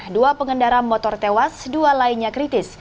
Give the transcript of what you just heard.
dua pengendara motor tewas dua lainnya kritis